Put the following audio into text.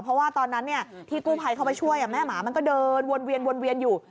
เพราะว่าตอนนั้นที่กู้ภัยเข้าไปช่วยแม่หมามันก็เดินวนเวียนวนเวียนอยู่